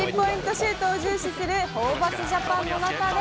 シュートを重視するホーバスジャパンの中で。